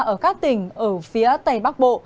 ở các tỉnh ở phía tây bắc bộ